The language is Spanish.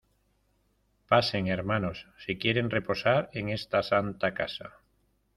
pasen, hermanos , si quieren reposar en esta santa casa.